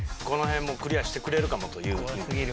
この辺もクリアしてくれるかもという。